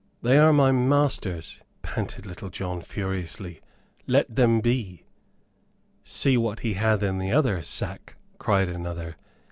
"They are my master's," panted Little John, furiously. "Let them be." "See what he hath in the other sack," cried another.